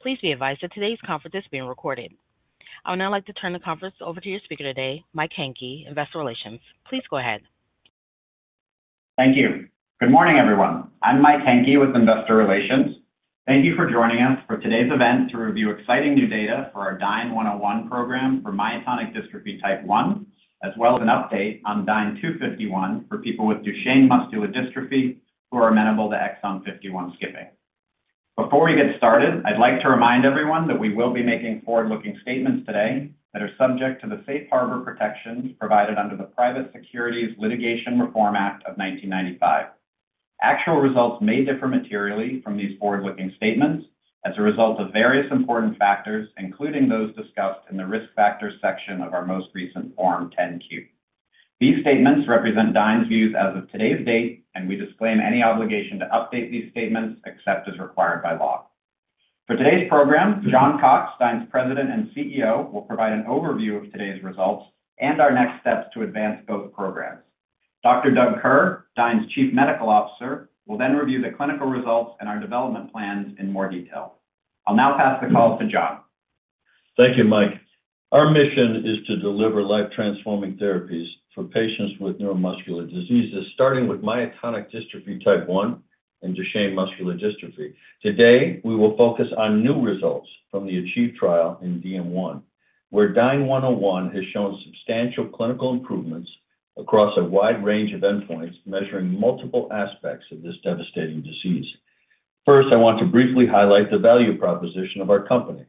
Please be advised that today's conference is being recorded. I would now like to turn the conference over to your speaker today, Mike Hankey, Investor Relations. Please go ahead. Thank you. Good morning, everyone. I'm Mike Hankey with Investor Relations. Thank you for joining us for today's event to review exciting new data for our Dyne-101 program for myotonic dystrophy type 1, as well as an update on Dyne-251 for people with Duchenne muscular dystrophy who are amenable to Exon 51 skipping. Before we get started, I'd like to remind everyone that we will be making forward-looking statements today that are subject to the safe harbor protections provided under the Private Securities Litigation Reform Act of 1995. Actual results may differ materially from these forward-looking statements as a result of various important factors, including those discussed in the risk factors section of our most recent Form 10-Q. These statements represent Dyne's views as of today's date, and we disclaim any obligation to update these statements except as required by law. For today's program, John Cox, Dyne's President and CEO, will provide an overview of today's results and our next steps to advance both programs. Dr. Doug Kerr, Dyne's Chief Medical Officer, will then review the clinical results and our development plans in more detail. I'll now pass the call to John. Thank you, Mike. Our mission is to deliver life-transforming therapies for patients with neuromuscular diseases, starting with myotonic dystrophy type 1 and Duchenne muscular dystrophy. Today, we will focus on new results from the ACHIEVE trial in DM1, where Dyne-101 has shown substantial clinical improvements across a wide range of endpoints measuring multiple aspects of this devastating disease. First, I want to briefly highlight the value proposition of our company.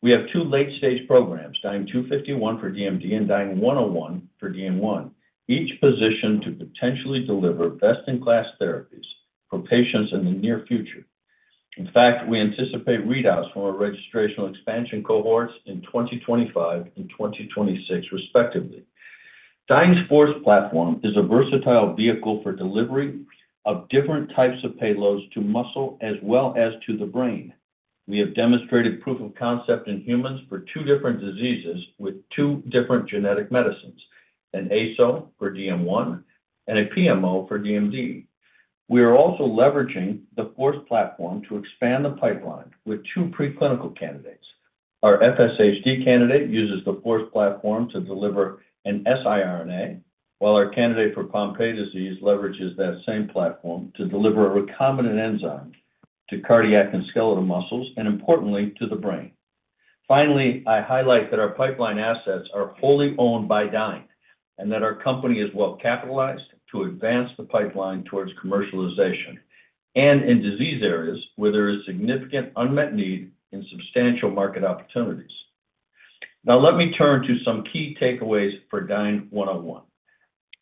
We have two late-stage programs, Dyne-251 for DMD and Dyne-101 for DM1, each positioned to potentially deliver best-in-class therapies for patients in the near future. In fact, we anticipate readouts from our registrational expansion cohorts in 2025 and 2026, respectively. Dyne's FORCE platform is a versatile vehicle for delivery of different types of payloads to muscle as well as to the brain. We have demonstrated proof of concept in humans for two different diseases with two different genetic medicines, an ASO for DM1 and a PMO for DMD. We are also leveraging the FORCE platform to expand the pipeline with two preclinical candidates. Our FSHD candidate uses the FORCE platform to deliver an siRNA, while our candidate for Pompe disease leverages that same platform to deliver a recombinant enzyme to cardiac and skeletal muscles, and importantly, to the brain. Finally, I highlight that our pipeline assets are fully owned by Dyne and that our company is well capitalized to advance the pipeline towards commercialization and in disease areas where there is significant unmet need and substantial market opportunities. Now, let me turn to some key takeaways for Dyne-101.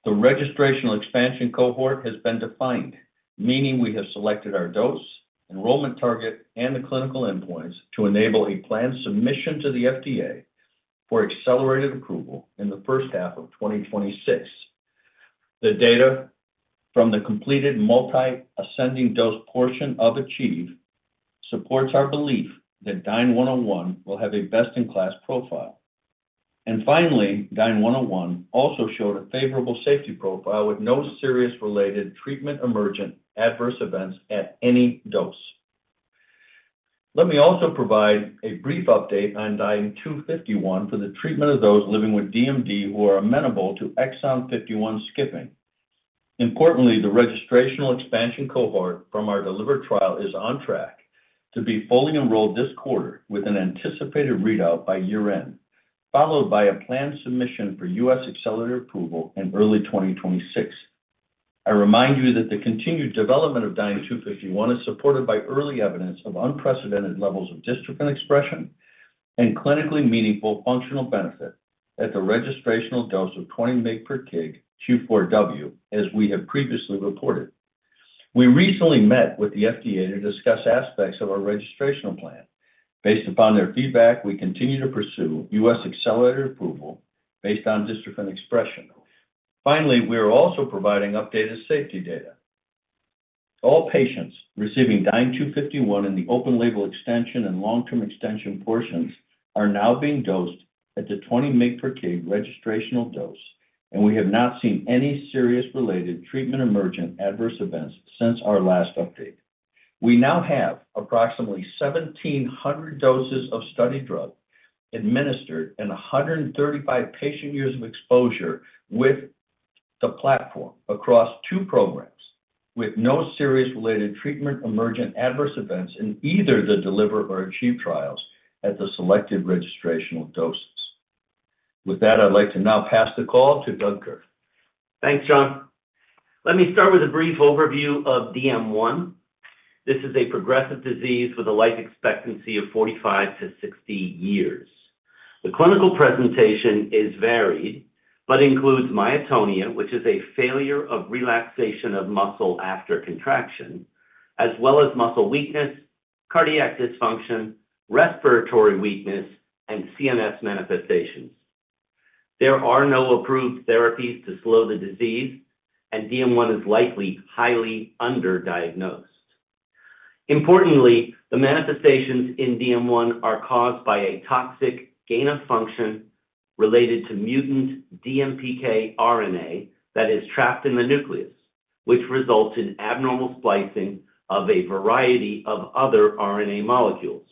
The registrational expansion cohort has been defined, meaning we have selected our dose, enrollment target, and the clinical endpoints to enable a planned submission to the FDA for accelerated approval in the first half of 2026. The data from the completed multi-ascending dose portion of ACHIEVE supports our belief that Dyne-101 will have a best-in-class profile, and finally, Dyne-101 also showed a favorable safety profile with no serious related treatment-emergent adverse events at any dose. Let me also provide a brief update on Dyne-251 for the treatment of those living with DMD who are amenable to Exon 51 skipping. Importantly, the registrational expansion cohort from our DELIVER trial is on track to be fully enrolled this quarter with an anticipated readout by year-end, followed by a planned submission for U.S. accelerated approval in early 2026. I remind you that the continued development of Dyne-251 is supported by early evidence of unprecedented levels of dystrophin expression and clinically meaningful functional benefit at the registrational dose of 20 mg/kg Q4W, as we have previously reported. We recently met with the FDA to discuss aspects of our registrational plan. Based upon their feedback, we continue to pursue U.S. accelerated approval based on dystrophin expression. Finally, we are also providing updated safety data. All patients receiving Dyne-251 in the open-label extension and long-term extension portions are now being dosed at the 20 mg/kg registrational dose, and we have not seen any serious related treatment-emergent adverse events since our last update. We now have approximately 1,700 doses of study drug administered and 135 patient years of exposure with the platform across two programs, with no serious related treatment-emergent adverse events in either the DELIVER or ACHIEVE trials at the selected registrational doses. With that, I'd like to now pass the call to Doug Kerr. Thanks, John. Let me start with a brief overview of DM1. This is a progressive disease with a life expectancy of 45-60 years. The clinical presentation is varied, but includes myotonia, which is a failure of relaxation of muscle after contraction, as well as muscle weakness, cardiac dysfunction, respiratory weakness, and CNS manifestations. There are no approved therapies to slow the disease, and DM1 is likely highly underdiagnosed. Importantly, the manifestations in DM1 are caused by a toxic gain of function related to mutant DMPK RNA that is trapped in the nucleus, which results in abnormal splicing of a variety of other RNA molecules.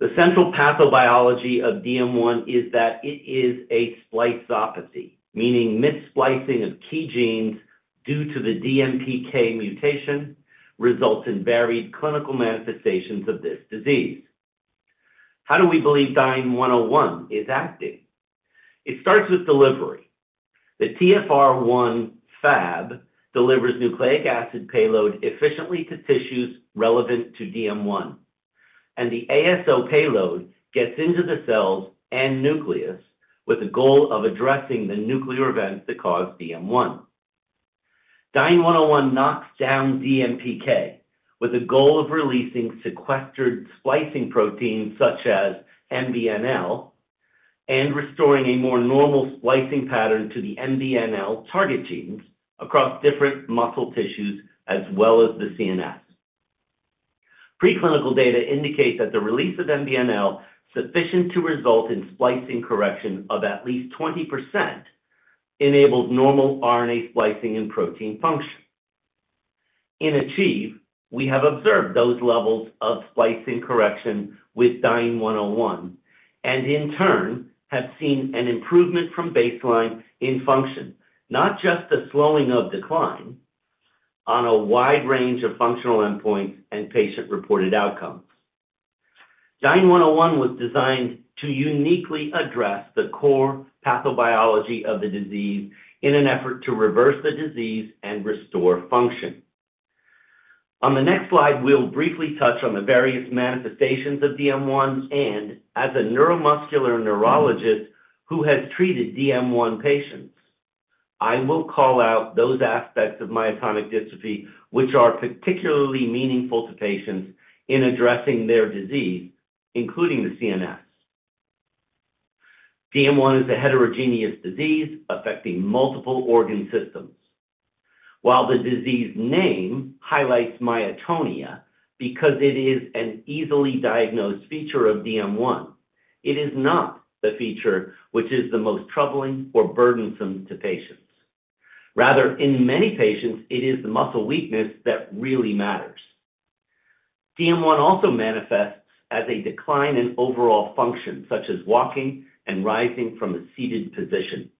The central pathobiology of DM1 is that it is a spliceopathy, meaning missplicing of key genes due to the DMPK mutation results in varied clinical manifestations of this disease. How do we believe Dyne-101 is acting? It starts with delivery. The TfR1 Fab delivers nucleic acid payload efficiently to tissues relevant to DM1, and the ASO payload gets into the cells and nucleus with the goal of addressing the nuclear events that cause DM1. Dyne-101 knocks down DMPK with the goal of releasing sequestered splicing proteins such as MBNL and restoring a more normal splicing pattern to the MBNL target genes across different muscle tissues as well as the CNS. Preclinical data indicate that the release of MBNL sufficient to result in splicing correction of at least 20% enables normal RNA splicing and protein function. In ACHIEVE, we have observed those levels of splicing correction with Dyne-101 and, in turn, have seen an improvement from baseline in function, not just a slowing of decline on a wide range of functional endpoints and patient-reported outcomes. Dyne-101 was designed to uniquely address the core pathobiology of the disease in an effort to reverse the disease and restore function. On the next slide, we'll briefly touch on the various manifestations of DM1 and, as a neuromuscular neurologist who has treated DM1 patients, I will call out those aspects of myotonic dystrophy which are particularly meaningful to patients in addressing their disease, including the CNS. DM1 is a heterogeneous disease affecting multiple organ systems. While the disease name highlights myotonia because it is an easily diagnosed feature of DM1, it is not the feature which is the most troubling or burdensome to patients. Rather, in many patients, it is the muscle weakness that really matters. DM1 also manifests as a decline in overall function, such as walking and rising from a seated position.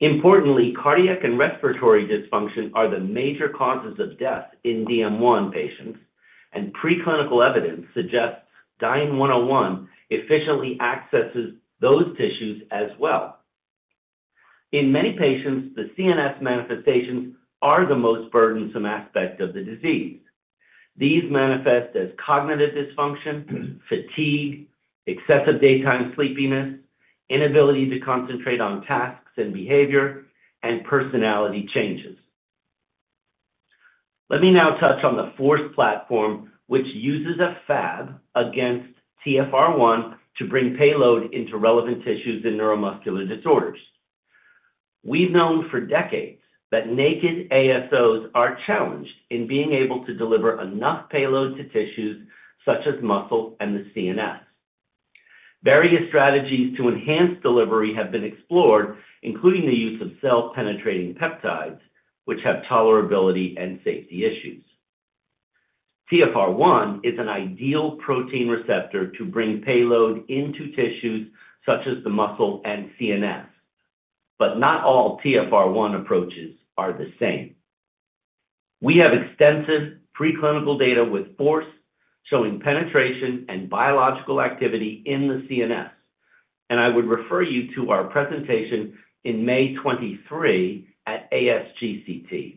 Importantly, cardiac and respiratory dysfunction are the major causes of death in DM1 patients, and preclinical evidence suggests Dyne-101 efficiently accesses those tissues as well. In many patients, the CNS manifestations are the most burdensome aspect of the disease. These manifest as cognitive dysfunction, fatigue, excessive daytime sleepiness, inability to concentrate on tasks and behavior, and personality changes. Let me now touch on the FORCE platform, which uses a Fab against TfR1 to bring payload into relevant tissues in neuromuscular disorders. We've known for decades that naked ASOs are challenged in being able to deliver enough payload to tissues such as muscle and the CNS. Various strategies to enhance delivery have been explored, including the use of self-penetrating peptides, which have tolerability and safety issues. TfR1 is an ideal protein receptor to bring payload into tissues such as the muscle and CNS, but not all TfR1 approaches are the same. We have extensive preclinical data with FORCE showing penetration and biological activity in the CNS, and I would refer you to our presentation in May 2023 at ASGCT,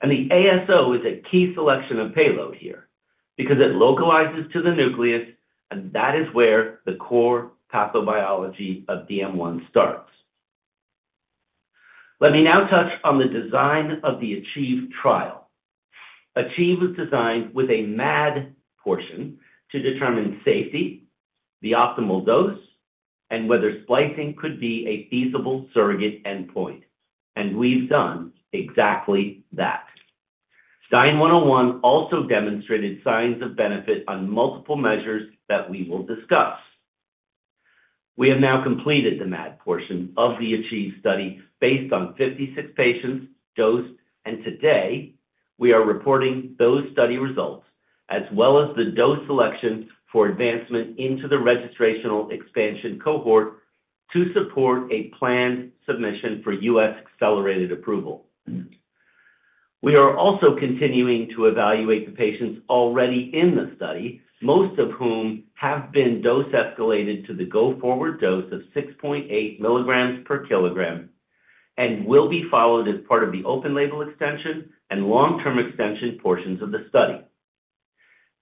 and the ASO is a key selection of payload here because it localizes to the nucleus, and that is where the core pathobiology of DM1 starts. Let me now touch on the design of the ACHIEVE trial. ACHIEVE was designed with a MAD portion to determine safety, the optimal dose, and whether splicing could be a feasible surrogate endpoint, and we've done exactly that. Dyne-101 also demonstrated signs of benefit on multiple measures that we will discuss. We have now completed the MAD portion of the ACHIEVE study based on 56 patients' dose, and today we are reporting those study results as well as the dose selection for advancement into the registrational expansion cohort to support a planned submission for U.S. accelerated approval. We are also continuing to evaluate the patients already in the study, most of whom have been dose-escalated to the go forward dose of 6.8 mg/kg and will be followed as part of the open-label extension and long-term extension portions of the study,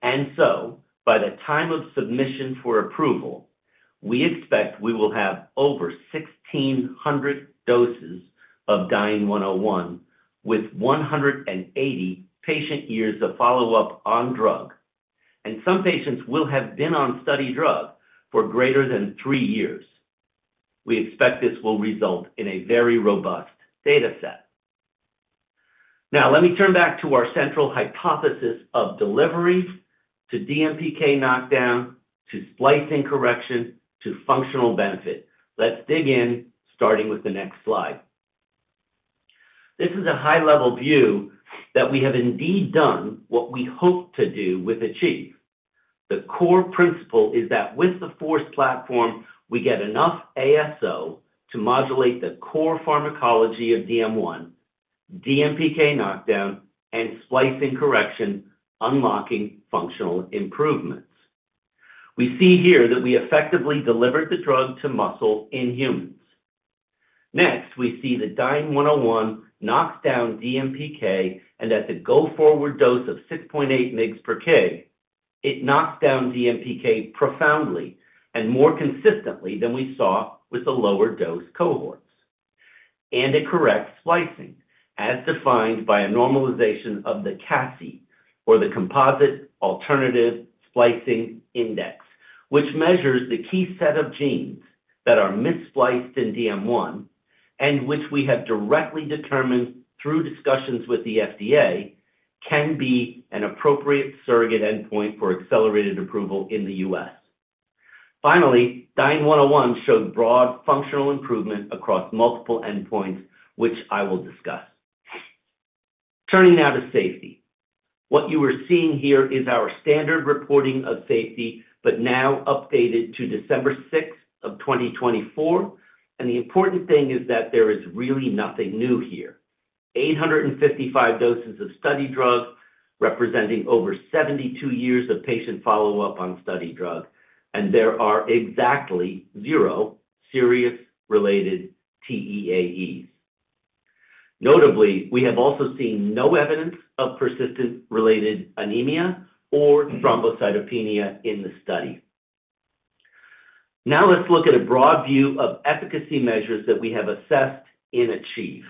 and so, by the time of submission for approval, we expect we will have over 1,600 doses of Dyne-101 with 180 patient years of follow-up on drug, and some patients will have been on study drug for greater than three years. We expect this will result in a very robust data set. Now, let me turn back to our central hypothesis of delivery to DMPK knockdown, to splicing correction, to functional benefit. Let's dig in, starting with the next slide. This is a high-level view that we have indeed done what we hope to do with ACHIEVE. The core principle is that with the FORCE platform, we get enough ASO to modulate the core pharmacology of DM1, DMPK knockdown, and splicing correction, unlocking functional improvements. We see here that we effectively delivered the drug to muscle in humans. Next, we see that Dyne-101 knocks down DMPK, and at the go forward dose of 6.8 mg/kg, it knocks down DMPK profoundly and more consistently than we saw with the lower dose cohorts. And it corrects splicing, as defined by a normalization of the CASI, or the Composite Alternative Splicing Index, which measures the key set of genes that are misspliced in DM1 and which we have directly determined through discussions with the FDA can be an appropriate surrogate endpoint for accelerated approval in the U.S. Finally, Dyne-101 showed broad functional improvement across multiple endpoints, which I will discuss. Turning now to safety. What you are seeing here is our standard reporting of safety, but now updated to December 6th of 2024, and the important thing is that there is really nothing new here. 855 doses of study drug representing over 72 years of patient follow-up on study drug, and there are exactly zero serious related TEAEs. Notably, we have also seen no evidence of persistent related anemia or thrombocytopenia in the study. Now, let's look at a broad view of efficacy measures that we have assessed in ACHIEVE.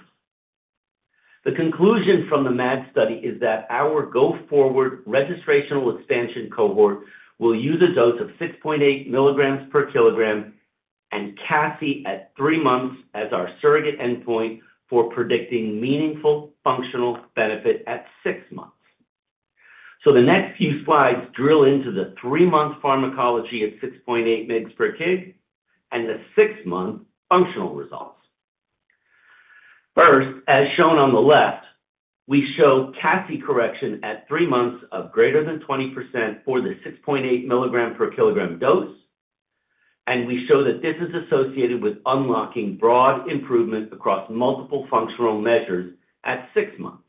The conclusion from the MAD study is that our go forward registrational expansion cohort will use a dose of 6.8 mg/kg and CASI at three months as our surrogate endpoint for predicting meaningful functional benefit at six months. So the next few slides drill into the three-month pharmacology at 6.8 mg/kg and the six-month functional results. First, as shown on the left, we show CASI correction at three months of greater than 20% for the 6.8 mg/kg dose, and we show that this is associated with unlocking broad improvement across multiple functional measures at six months.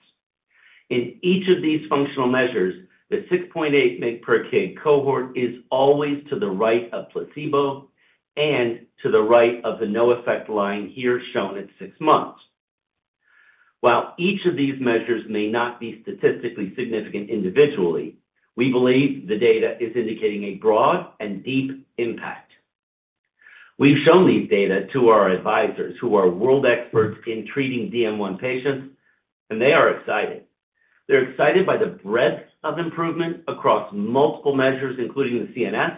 In each of these functional measures, the 6.8 mg/kg cohort is always to the right of placebo and to the right of the no effect line here shown at six months. While each of these measures may not be statistically significant individually, we believe the data is indicating a broad and deep impact. We've shown these data to our advisors who are world experts in treating DM1 patients, and they are excited. They're excited by the breadth of improvement across multiple measures, including the CNS,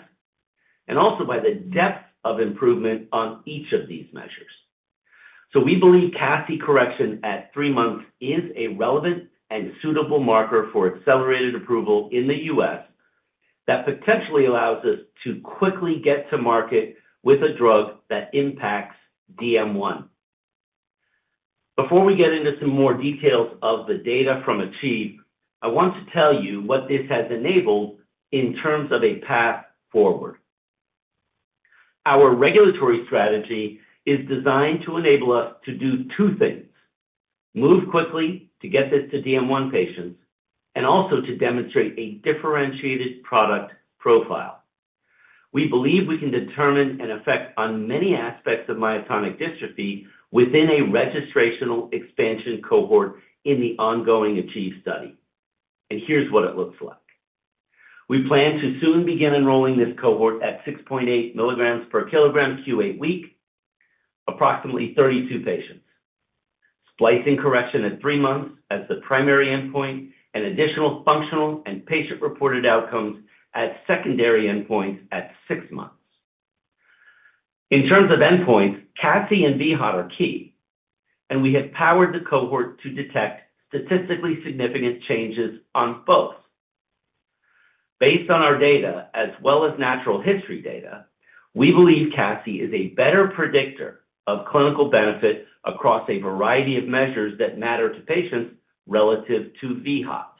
and also by the depth of improvement on each of these measures. So we believe CASI correction at three months is a relevant and suitable marker for accelerated approval in the U.S. that potentially allows us to quickly get to market with a drug that impacts DM1. Before we get into some more details of the data from ACHIEVE, I want to tell you what this has enabled in terms of a path forward. Our regulatory strategy is designed to enable us to do two things: move quickly to get this to DM1 patients and also to demonstrate a differentiated product profile. We believe we can determine an effect on many aspects of myotonic dystrophy within a registrational expansion cohort in the ongoing ACHIEVE study, and here's what it looks like. We plan to soon begin enrolling this cohort at 6.8 mg/kg q8 week, approximately 32 patients. Splicing correction at three months as the primary endpoint and additional functional and patient-reported outcomes at secondary endpoints at six months. In terms of endpoints, CASI and vHOT are key, and we have powered the cohort to detect statistically significant changes on both. Based on our data, as well as natural history data, we believe CASI is a better predictor of clinical benefit across a variety of measures that matter to patients relative to vHOT.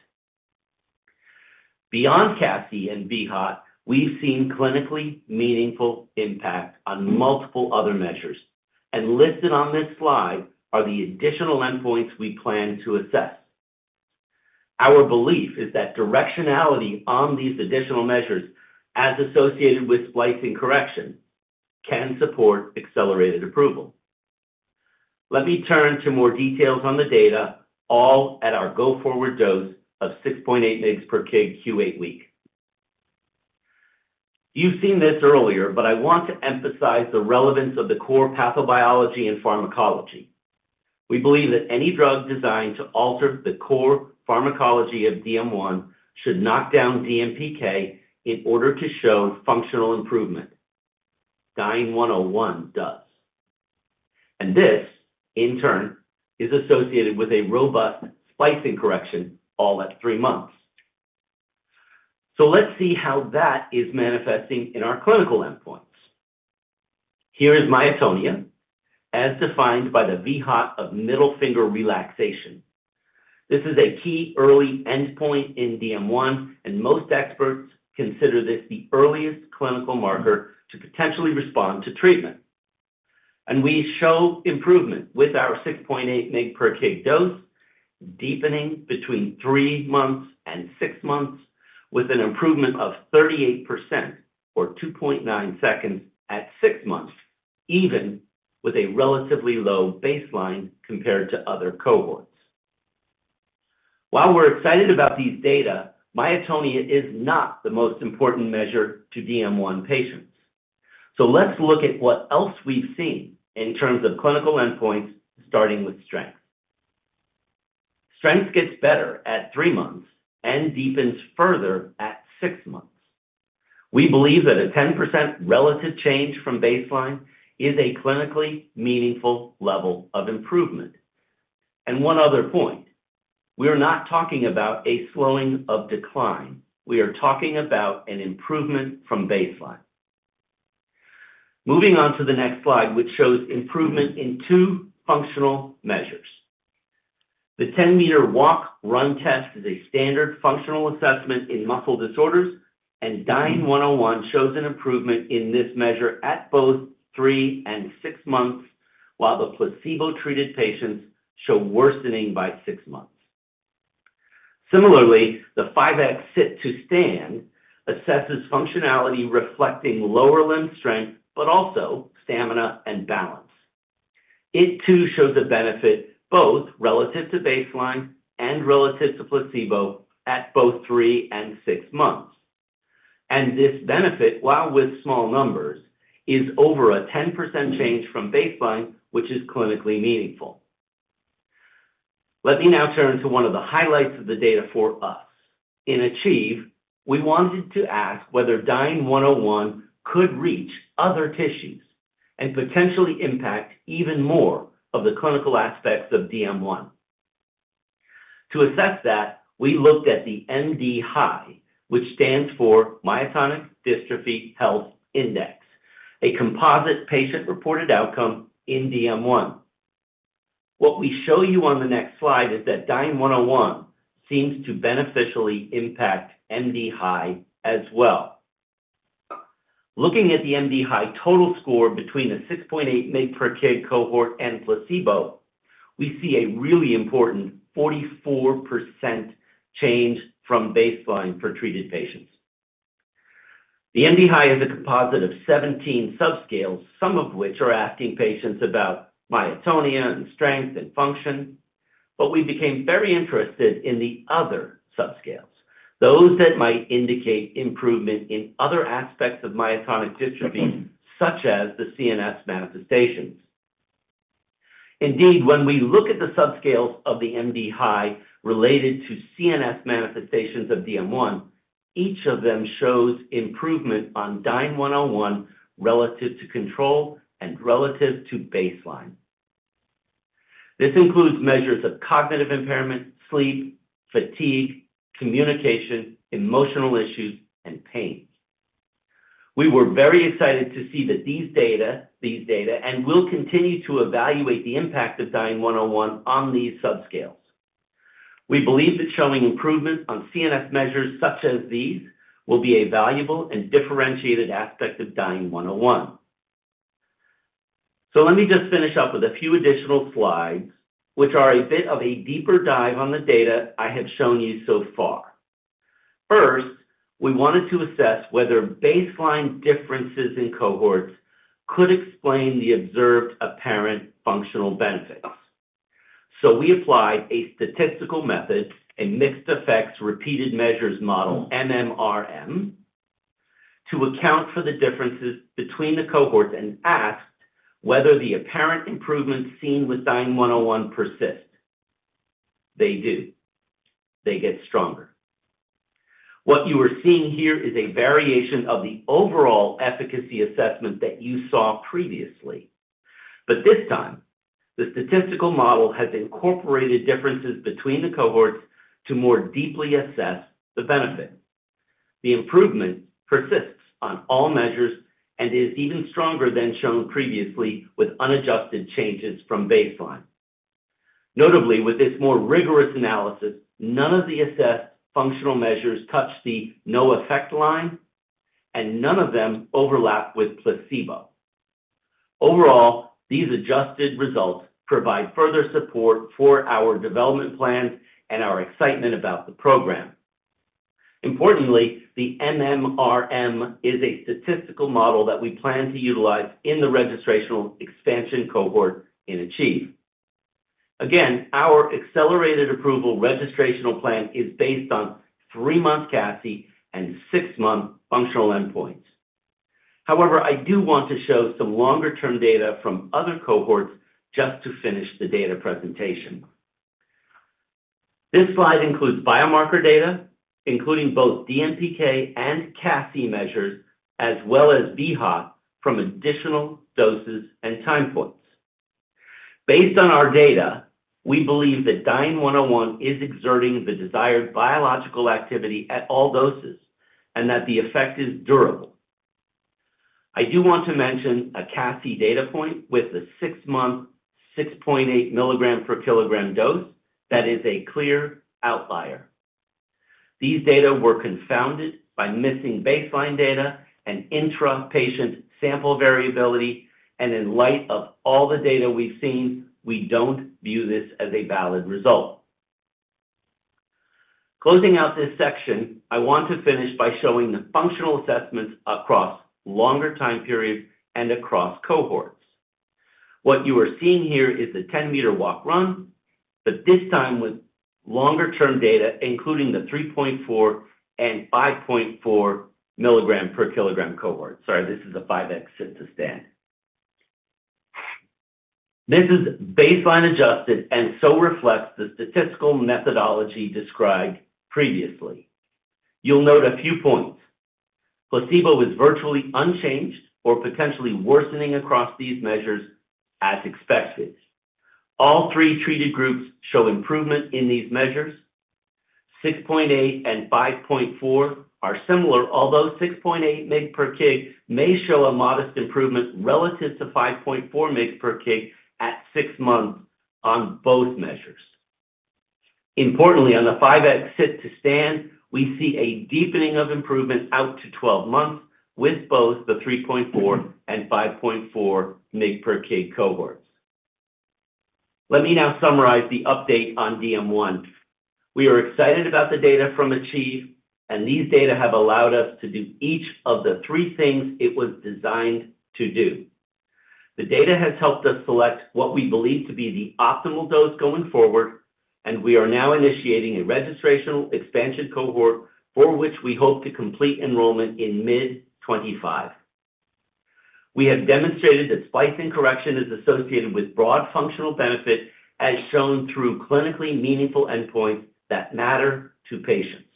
Beyond CASI and vHOT, we've seen clinically meaningful impact on multiple other measures, and listed on this slide are the additional endpoints we plan to assess. Our belief is that directionality on these additional measures, as associated with splicing correction, can support accelerated approval. Let me turn to more details on the data, all at our go forward dose of 6.8 mg/kg q8 week. You've seen this earlier, but I want to emphasize the relevance of the core pathobiology and pharmacology. We believe that any drug designed to alter the core pharmacology of DM1 should knock down DMPK in order to show functional improvement. Dyne-101 does. And this, in turn, is associated with a robust splicing correction all at three months. So let's see how that is manifesting in our clinical endpoints. Here is myotonia, as defined by the vHOT of middle finger relaxation. This is a key early endpoint in DM1, and most experts consider this the earliest clinical marker to potentially respond to treatment, and we show improvement with our 6.8 mg/kg dose, deepening between three months and six months, with an improvement of 38% or 2.9 seconds at six months, even with a relatively low baseline compared to other cohorts. While we're excited about these data, myotonia is not the most important measure to DM1 patients, so let's look at what else we've seen in terms of clinical endpoints, starting with strength. Strength gets better at three months and deepens further at six months. We believe that a 10% relative change from baseline is a clinically meaningful level of improvement, and one other point, we are not talking about a slowing of decline. We are talking about an improvement from baseline. Moving on to the next slide, which shows improvement in two functional measures. The 10-Meter Walk/Run Test is a standard functional assessment in muscle disorders, and Dyne-101 shows an improvement in this measure at both three and six months, while the placebo-treated patients show worsening by six months. Similarly, the 5X Sit to Stand assesses functionality reflecting lower limb strength, but also stamina and balance. It too shows a benefit both relative to baseline and relative to placebo at both three and six months. And this benefit, while with small numbers, is over a 10% change from baseline, which is clinically meaningful. Let me now turn to one of the highlights of the data for us. In ACHIEVE, we wanted to ask whether Dyne-101 could reach other tissues and potentially impact even more of the clinical aspects of DM1. To assess that, we looked at the MDHI, which stands for Myotonic Dystrophy Health Index, a composite patient-reported outcome in DM1. What we show you on the next slide is that Dyne-101 seems to beneficially impact MDHI as well. Looking at the MDHI total score between the 6.8 mg/kg cohort and placebo, we see a really important 44% change from baseline for treated patients. The MDHI has a composite of 17 subscales, some of which are asking patients about myotonia and strength and function, but we became very interested in the other subscales, those that might indicate improvement in other aspects of myotonic dystrophy, such as the CNS manifestations. Indeed, when we look at the subscales of the MDHI related to CNS manifestations of DM1, each of them shows improvement on Dyne-101 relative to control and relative to baseline. This includes measures of cognitive impairment, sleep, fatigue, communication, emotional issues, and pain. We were very excited to see that these data, these data, and will continue to evaluate the impact of Dyne-101 on these subscales. We believe that showing improvement on CNS measures such as these will be a valuable and differentiated aspect of Dyne-101. So let me just finish up with a few additional slides, which are a bit of a deeper dive on the data I have shown you so far. First, we wanted to assess whether baseline differences in cohorts could explain the observed apparent functional benefits. So we applied a statistical method, a mixed effects repeated measures model, MMRM, to account for the differences between the cohorts and asked whether the apparent improvements seen with Dyne-101 persist. They do. They get stronger. What you are seeing here is a variation of the overall efficacy assessment that you saw previously, but this time, the statistical model has incorporated differences between the cohorts to more deeply assess the benefit. The improvement persists on all measures and is even stronger than shown previously with unadjusted changes from baseline. Notably, with this more rigorous analysis, none of the assessed functional measures touch the no effect line, and none of them overlap with placebo. Overall, these adjusted results provide further support for our development plans and our excitement about the program. Importantly, the MMRM is a statistical model that we plan to utilize in the registrational expansion cohort in ACHIEVE. Again, our accelerated approval registrational plan is based on three-month CASI and six-month functional endpoints. However, I do want to show some longer-term data from other cohorts just to finish the data presentation. This slide includes biomarker data, including both DMPK and CASI measures, as well as vHOT from additional doses and time points. Based on our data, we believe that Dyne-101 is exerting the desired biological activity at all doses and that the effect is durable. I do want to mention a CASI data point with the six-month 6.8 mg/kg dose that is a clear outlier. These data were confounded by missing baseline data and intra-patient sample variability, and in light of all the data we've seen, we don't view this as a valid result. Closing out this section, I want to finish by showing the functional assessments across longer time periods and across cohorts. What you are seeing here is the 10-meter walk-run, but this time with longer-term data, including the 3.4 and 5.4 mg/kg cohorts. Sorry, this is a 5X Sit to Stand. This is baseline adjusted and so reflects the statistical methodology described previously. You'll note a few points. Placebo is virtually unchanged or potentially worsening across these measures, as expected. All three treated groups show improvement in these measures. 6.8 and 5.4 are similar, although 6.8 mg/kg may show a modest improvement relative to 5.4 mg/kg at six months on both measures. Importantly, on the 5X Sit to Stand, we see a deepening of improvement out to 12 months with both the 3.4 and 5.4 mg/kg cohorts. Let me now summarize the update on DM1. We are excited about the data from ACHIEVE, and these data have allowed us to do each of the three things it was designed to do. The data has helped us select what we believe to be the optimal dose going forward, and we are now initiating a registrational expansion cohort for which we hope to complete enrollment in mid-2025. We have demonstrated that splicing correction is associated with broad functional benefit, as shown through clinically meaningful endpoints that matter to patients.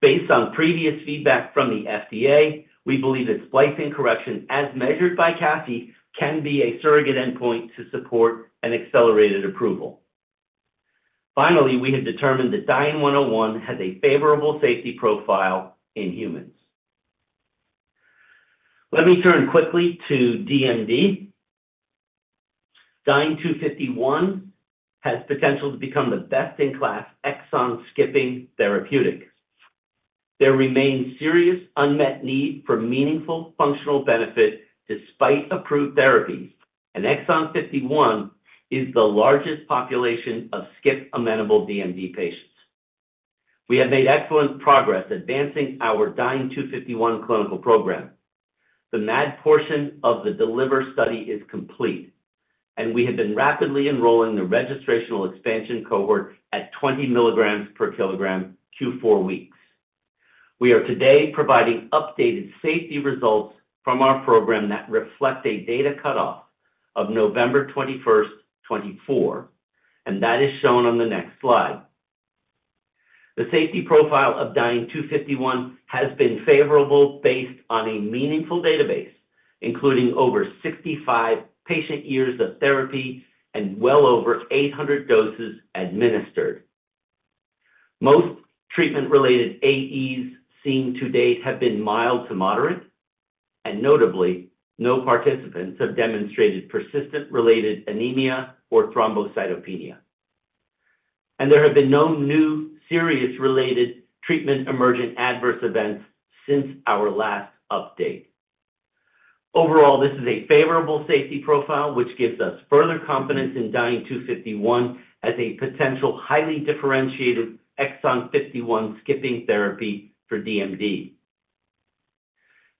Based on previous feedback from the FDA, we believe that splicing correction, as measured by CASI, can be a surrogate endpoint to support an accelerated approval. Finally, we have determined that Dyne-101 has a favorable safety profile in humans. Let me turn quickly to DMD. Dyne-251 has potential to become the best-in-class exon-skipping therapeutic. There remains serious unmet need for meaningful functional benefit despite approved therapies, and exon 51 is the largest population of skipped amenable DMD patients. We have made excellent progress advancing our Dyne-251 clinical program. The MAD portion of the DELIVER study is complete, and we have been rapidly enrolling the registrational expansion cohort at 20 mg/kg q4 weeks. We are today providing updated safety results from our program that reflect a data cutoff of November 21, 2024, and that is shown on the next slide. The safety profile of Dyne-251 has been favorable based on a meaningful database, including over 65 patient years of therapy and well over 800 doses administered. Most treatment-related AEs seen to date have been mild to moderate, and notably, no participants have demonstrated persistent-related anemia or thrombocytopenia, and there have been no new serious-related treatment emergent adverse events since our last update. Overall, this is a favorable safety profile, which gives us further confidence in Dyne-251 as a potential highly differentiated exon 51 skipping therapy for DMD.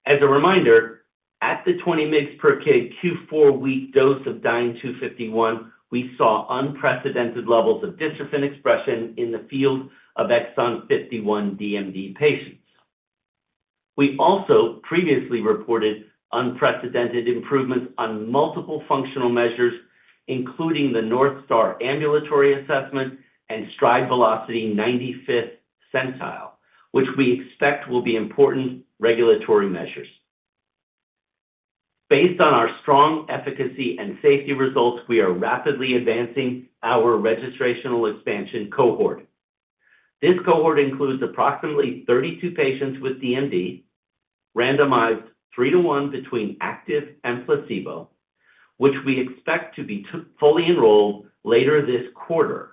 As a reminder, at the 20 mg/kg q4 week dose of Dyne-251, we saw unprecedented levels of dystrophin expression in the field of exon 51 DMD patients. We also previously reported unprecedented improvements on multiple functional measures, including the North Star Ambulatory Assessment and stride velocity 95th centile, which we expect will be important regulatory measures. Based on our strong efficacy and safety results, we are rapidly advancing our registrational expansion cohort. This cohort includes approximately 32 patients with DMD, randomized three to one between active and placebo, which we expect to be fully enrolled later this quarter,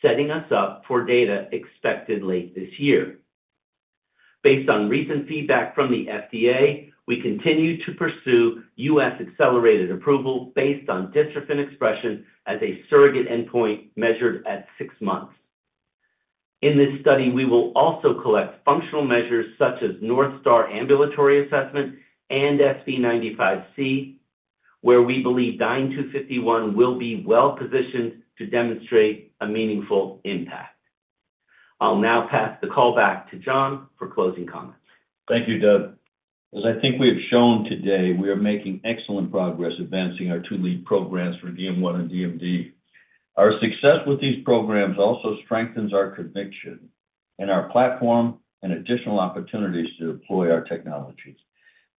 setting us up for data expected late this year. Based on recent feedback from the FDA, we continue to pursue U.S. accelerated approval based on dystrophin expression as a surrogate endpoint measured at six months. In this study, we will also collect functional measures such as North Star Ambulatory Assessment and SV95C, where we believe Dyne-251 will be well positioned to demonstrate a meaningful impact. I'll now pass the call back to John for closing comments. Thank you, Doug. As I think we have shown today, we are making excellent progress advancing our two lead programs for DM1 and DMD. Our success with these programs also strengthens our conviction and our platform and additional opportunities to deploy our technologies.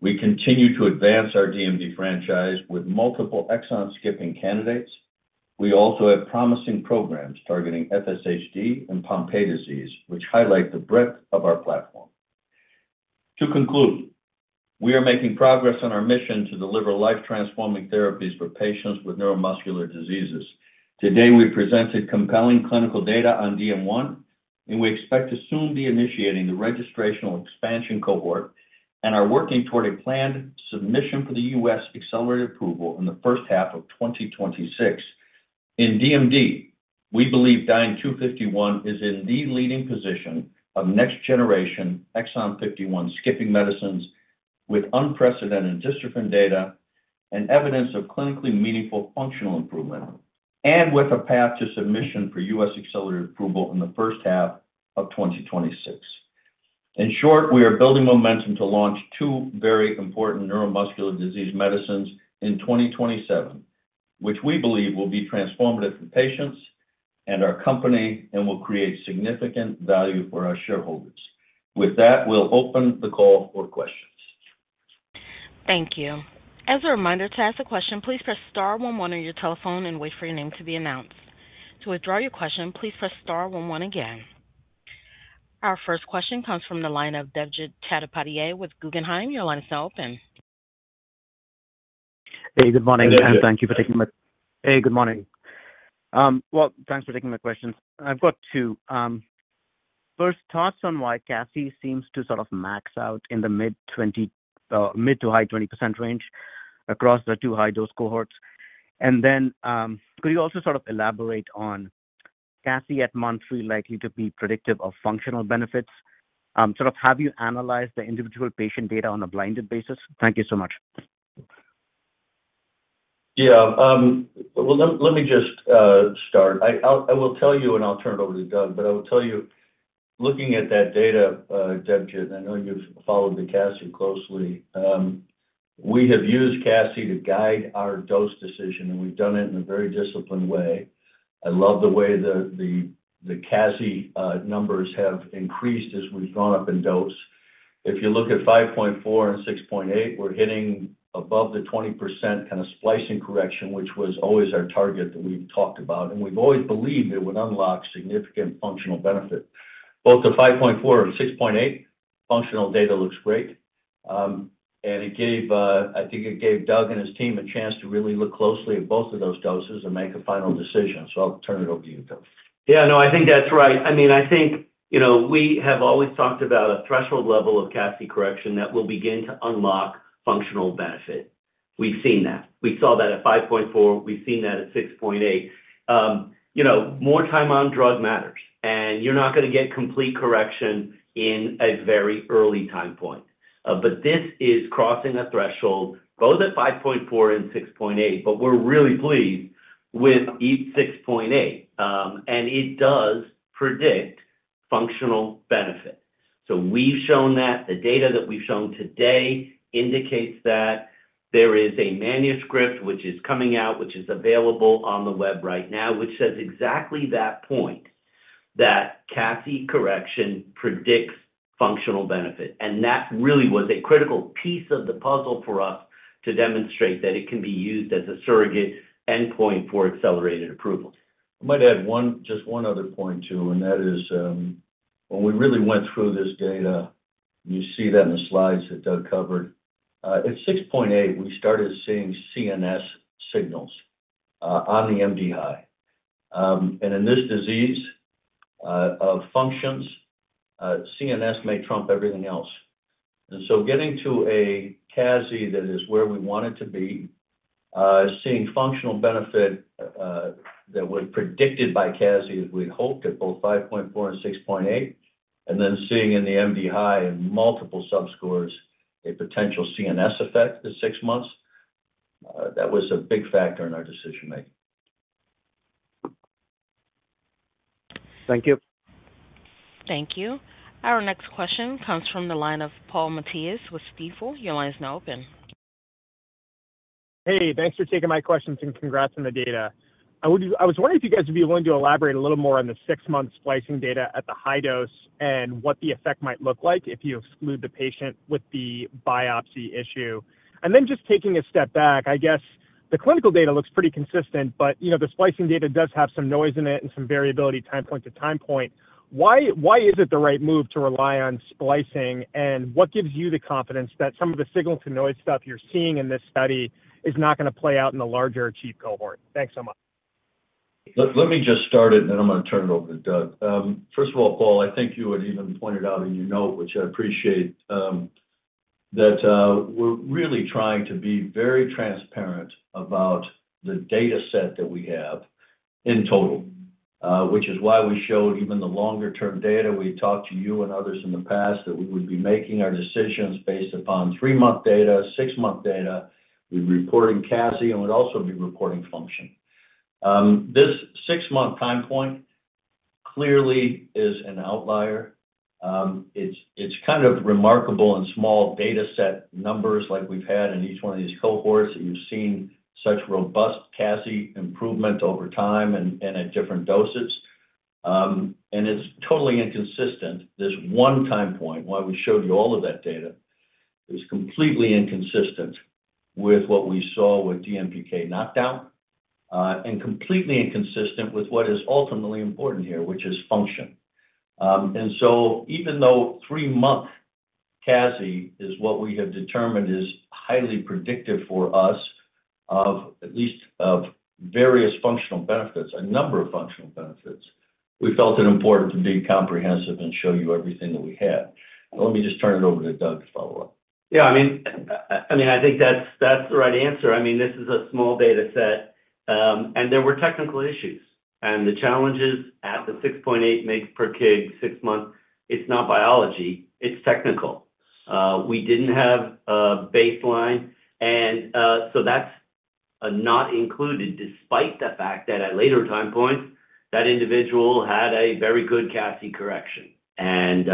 We continue to advance our DMD franchise with multiple exon-skipping candidates. We also have promising programs targeting FSHD and Pompe disease, which highlight the breadth of our platform. To conclude, we are making progress on our mission to deliver life-transforming therapies for patients with neuromuscular diseases. Today, we presented compelling clinical data on DM1, and we expect to soon be initiating the registrational expansion cohort and are working toward a planned submission for the U.S. accelerated approval in the first half of 2026. In DMD, we believe Dyne-251 is in the leading position of next-generation exon 51 skipping medicines with unprecedented dystrophin data and evidence of clinically meaningful functional improvement, and with a path to submission for U.S. accelerated approval in the first half of 2026. In short, we are building momentum to launch two very important neuromuscular disease medicines in 2027, which we believe will be transformative for patients and our company and will create significant value for our shareholders. With that, we'll open the call for questions. Thank you. As a reminder, to ask a question, please press star one one on your telephone and wait for your name to be announced. To withdraw your question, please press star one one again. Our first question comes from the line of Debjit Chattopadhyay with Guggenheim. Your line is now open. Hey, good morning. Well, thanks for taking my questions. I've got two. First, thoughts on why CASI seems to sort of max out in the mid to high 20% range across the two high-dose cohorts? And then could you also sort of elaborate on CASI at monthly likely to be predictive of functional benefits? Sort of, have you analyzed the individual patient data on a blinded basis? Thank you so much. Yeah. Well, let me just start. I will tell you, and I'll turn it over to Doug, but I will tell you, looking at that data, Debjit, and I know you've followed the CASI closely, we have used CASI to guide our dose decision, and we've done it in a very disciplined way. I love the way the CASI numbers have increased as we've gone up in dose. If you look at 5.4 and 6.8, we're hitting above the 20% kind of splicing correction, which was always our target that we've talked about, and we've always believed it would unlock significant functional benefit. Both the 5.4 and 6.8 functional data looks great, and I think it gave Doug and his team a chance to really look closely at both of those doses and make a final decision. So I'll turn it over to you, Doug. Yeah, no, I think that's right. I mean, I think we have always talked about a threshold level of CASI correction that will begin to unlock functional benefit. We've seen that. We saw that at 5.4. We've seen that at 6.8. More time on drug matters, and you're not going to get complete correction in a very early time point. But this is crossing a threshold, both at 5.4 and 6.8, but we're really pleased with each 6.8, and it does predict functional benefit. So we've shown that. The data that we've shown today indicates that there is a manuscript which is coming out, which is available on the web right now, which says exactly that point, that CASI correction predicts functional benefit, and that really was a critical piece of the puzzle for us to demonstrate that it can be used as a surrogate endpoint for accelerated approval. I might add just one other point too, and that is when we really went through this data, you see that in the slides that Doug covered. At 6.8, we started seeing CNS signals on the MDHI. And in this disease of functions, CNS may trump everything else. And so getting to a CASI that is where we want it to be, seeing functional benefit that was predicted by CASI as we hoped at both 5.4 and 6.8, and then seeing in the MDHI and multiple subscores a potential CNS effect at six months, that was a big factor in our decision-making. Thank you. Thank you. Our next question comes from the line of Paul Matteis with Stifel. Your line is now open. Hey, thanks for taking my questions and congrats on the data. I was wondering if you guys would be willing to elaborate a little more on the six-month splicing data at the high dose and what the effect might look like if you exclude the patient with the biopsy issue. Then just taking a step back, I guess the clinical data looks pretty consistent, but the splicing data does have some noise in it and some variability time point to time point. Why is it the right move to rely on splicing, and what gives you the confidence that some of the signal-to-noise stuff you're seeing in this study is not going to play out in the larger ACHIEVE cohort? Thanks so much. Let me just start it, and then I'm going to turn it over to Doug. First of all, Paul, I think you had even pointed out in your note, which I appreciate, that we're really trying to be very transparent about the data set that we have in total, which is why we showed even the longer-term data we talked to you and others in the past that we would be making our decisions based upon three-month data, six-month data, we'd be reporting CASI, and we'd also be reporting function. This six-month time point clearly is an outlier. It's kind of remarkable and small data set numbers like we've had in each one of these cohorts that you've seen such robust CASI improvement over time and at different doses, and it's totally inconsistent. This one time point, why we showed you all of that data, is completely inconsistent with what we saw with DMPK knockdown and completely inconsistent with what is ultimately important here, which is function. And so even though three-month CASI is what we have determined is highly predictive for us of at least various functional benefits, a number of functional benefits, we felt it important to be comprehensive and show you everything that we had. Let me just turn it over to Doug to follow up. Yeah, I mean, I think that's the right answer. I mean, this is a small data set, and there were technical issues. And the challenges at the 6.8 mg/kg six-month, it's not biology. It's technical. We didn't have a baseline, and so that's not included despite the fact that at later time points, that individual had a very good CASI correction. And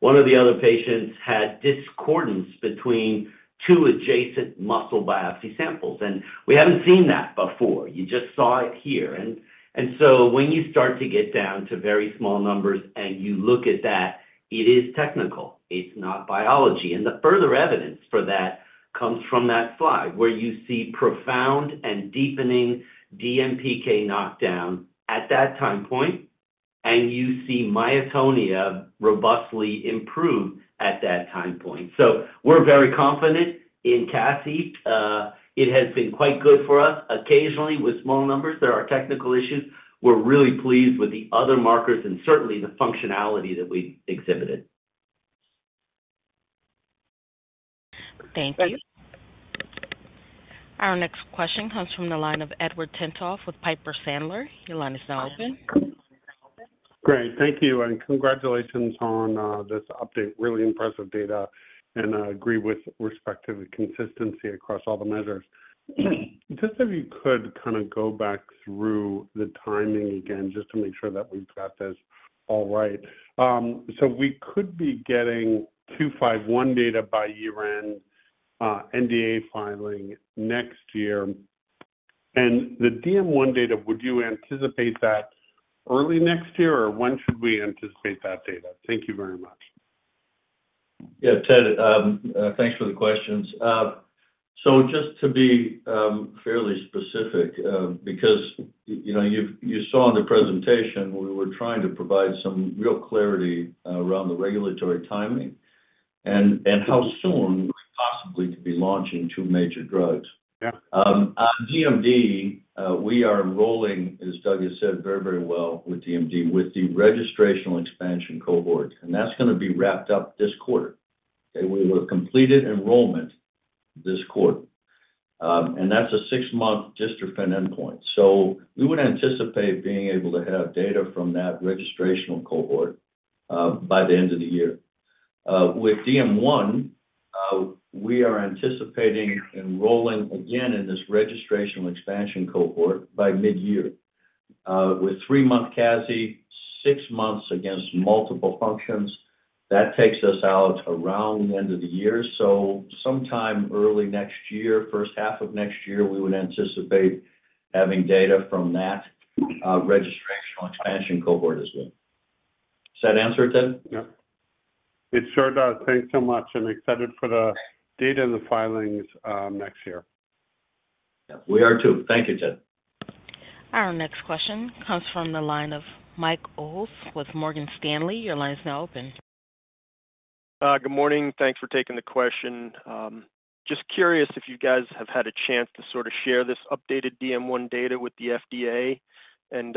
one of the other patients had discordance between two adjacent muscle biopsy samples, and we haven't seen that before. You just saw it here. And so when you start to get down to very small numbers and you look at that, it is technical. It's not biology. And the further evidence for that comes from that slide where you see profound and deepening DMPK knockdown at that time point, and you see myotonia robustly improved at that time point. So we're very confident in CASI. It has been quite good for us. Occasionally, with small numbers, there are technical issues. We're really pleased with the other markers and certainly the functionality that we exhibited. Thank you. Our next question comes from the line of Edward Tenthoff with Piper Sandler. Your line is now open. Great. Thank you. And congratulations on this update. Really impressive data, and I agree with respect to the consistency across all the measures. Just if you could kind of go back through the timing again just to make sure that we've got this all right. So we could be getting Dyne-251 data by year-end NDA filing next year. And the DM1 data, would you anticipate that early next year, or when should we anticipate that data? Thank you very much. Yeah, Ted, thanks for the questions. So just to be fairly specific, because you saw in the presentation, we were trying to provide some real clarity around the regulatory timing and how soon we possibly could be launching two major drugs. On DMD, we are rolling, as Doug has said, very, very well with DMD with the registrational expansion cohort, and that's going to be wrapped up this quarter. We will have completed enrollment this quarter, and that's a six-month dystrophin endpoint. So we would anticipate being able to have data from that registrational cohort by the end of the year. With DM1, we are anticipating enrolling again in this registrational expansion cohort by mid-year. With three-month CASI, six months against multiple functions, that takes us out around the end of the year. So sometime early next year, first half of next year, we would anticipate having data from that registrational expansion cohort as well. Does that answer it, Ted? Yep. It sure does. Thanks so much. I'm excited for the data and the filings next year. Yep. We are too. Thank you, Ted. Our next question comes from the line of Mike Ulz with Morgan Stanley. Your line is now open. Good morning. Thanks for taking the question. Just curious if you guys have had a chance to sort of share this updated DM1 data with the FDA, and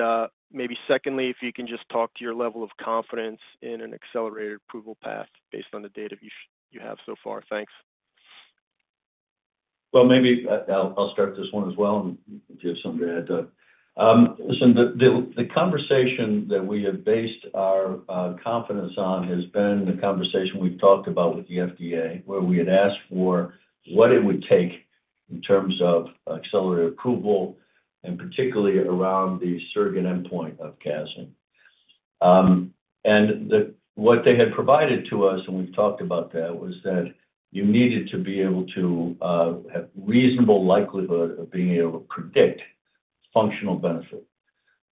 maybe secondly, if you can just talk to your level of confidence in an accelerated approval path based on the data you have so far. Thanks. Well, maybe I'll start this one as well, and if you have something to add, Doug. Listen, the conversation that we have based our confidence on has been the conversation we've talked about with the FDA, where we had asked for what it would take in terms of accelerated approval, and particularly around the surrogate endpoint of CASI. And what they had provided to us, and we've talked about that, was that you needed to be able to have reasonable likelihood of being able to predict functional benefit.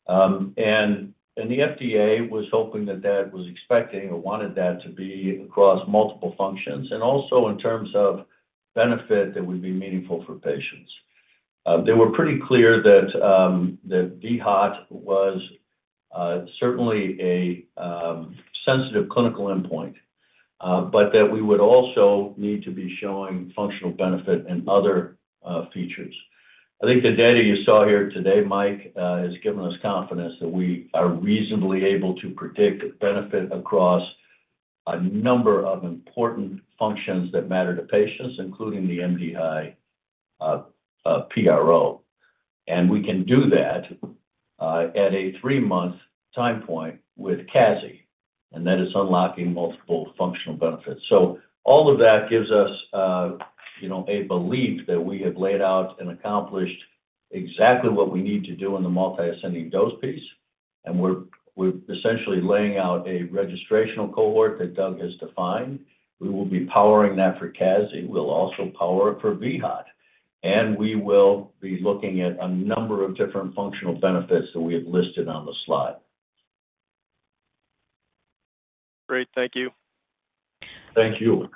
And the FDA was hoping that that was expected or wanted that to be across multiple functions, and also in terms of benefit that would be meaningful for patients. They were pretty clear that vHOT was certainly a sensitive clinical endpoint, but that we would also need to be showing functional benefit and other features. I think the data you saw here today, Mike, has given us confidence that we are reasonably able to predict benefit across a number of important functions that matter to patients, including the MDHI PRO. And we can do that at a three-month time point with CASI, and that is unlocking multiple functional benefits. So all of that gives us a belief that we have laid out and accomplished exactly what we need to do in the multi-ascending dose piece, and we're essentially laying out a registrational cohort that Doug has defined. We will be powering that for CASI. We'll also power it for vHOT, and we will be looking at a number of different functional benefits that we have listed on the slide. Great. Thank you. Thank you.